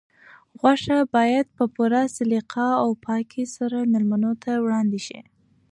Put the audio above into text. غوښه باید په پوره سلیقه او پاکۍ سره مېلمنو ته وړاندې شي.